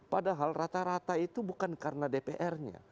padahal rata rata itu bukan karena dprnya